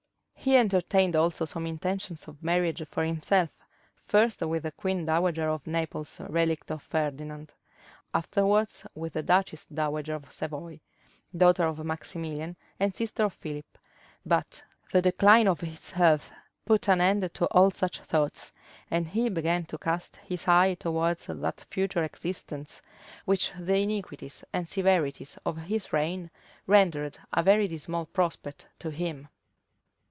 {1508.} He entertained also some intentions of marriage for himself, first with the queen dowager of Naples, relict of Ferdinand; afterwards with the duchess dowager of Savoy, daughter of Maximilian, and sister of Philip. But the decline of his health put an end to all such thoughts; and he began to cast his eye towards that future existence which the iniquities and severities of his reign rendered a very dismal prospect to him.